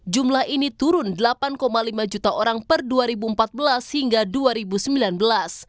jumlah ini turun delapan lima juta orang per dua ribu empat belas hingga dua ribu sembilan belas